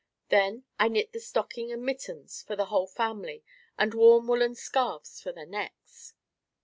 Then I knit the stocking and mittens for the whole family and warm woolen scarfs for their necks.